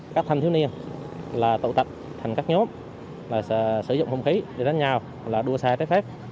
các thành thiếu niên là tội tạch thành các nhóm sử dụng không khí để đánh nhau đua xe trái phép